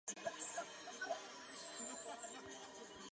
奥托二世。